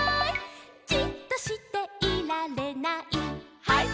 「じっとしていられない」「」